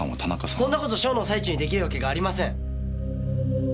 そんな事ショーの最中に出来るわけがありません！